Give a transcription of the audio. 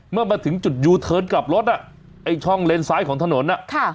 เมื่อมาถึงจุดยูเทิร์นกลับรถอ่ะไอ้ช่องเลนซ้ายของถนนอ่ะค่ะ